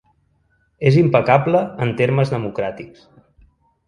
És impecable en termes democràtics.